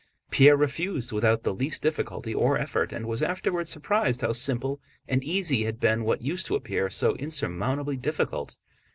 Pierre refused without the least difficulty or effort, and was afterwards surprised how simple and easy had been what used to appear so insurmountably difficult.